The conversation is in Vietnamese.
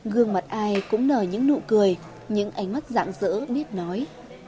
gương mặt ai cũng nở những nụ cười những ánh mắt dạng dỡ biết nói